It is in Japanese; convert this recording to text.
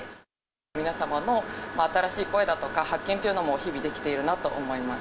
皆様の新しい声だとか、発見というのも日々できているなと思います。